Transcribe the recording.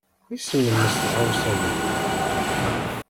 Isem-nnes tɣawsa-a?